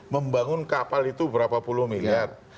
membangun kapal itu berapa puluh miliar